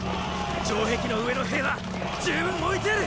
城壁の上の兵は十分置いてある！